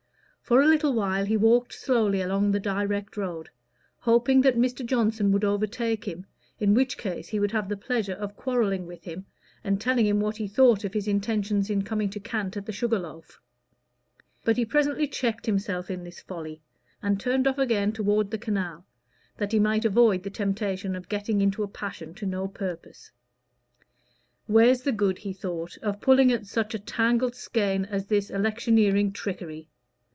For a little while he walked slowly along the direct road, hoping that Mr. Johnson would overtake him, in which case he would have the pleasure of quarrelling with him, and telling him what he thought of his intentions in coming to cant at the Sugar Loaf. But he presently checked himself in this folly and turned off again toward the canal, that he might avoid the temptation of getting into a passion to no purpose. "Where's the good," he thought, "of pulling at such a tangled skein as this electioneering trickery?